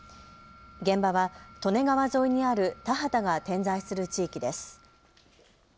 現場は利根川沿いにある田畑が点在する地域です。